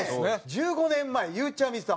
１５年前ゆうちゃみさ